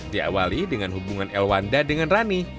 diawali dengan hubungan elwanda dengan rani